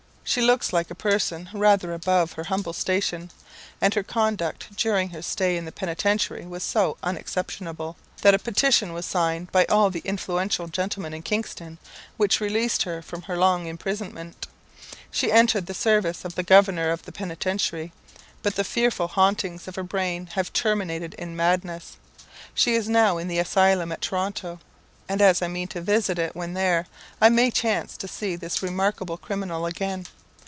She looks like a person rather above her humble station, and her conduct during her stay in the Penitentiary was so unexceptionable, that a petition was signed by all the influential gentlemen in Kingston, which released her from her long imprisonment. She entered the service of the governor of the Penitentiary, but the fearful hauntings of her brain have terminated in madness. She is now in the asylum at Toronto; and as I mean to visit it when there, I may chance to see this remarkable criminal again.